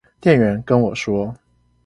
店員跟我說